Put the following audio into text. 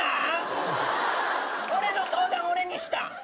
俺の相談俺にしたん？